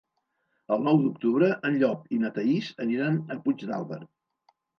El nou d'octubre en Llop i na Thaís aniran a Puigdàlber.